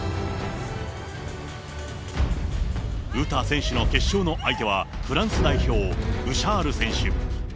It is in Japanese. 詩選手の決勝の相手はフランス代表、ブシャール選手。